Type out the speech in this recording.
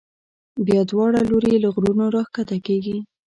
بیا دواړه لوري له غرونو را کښته کېږي.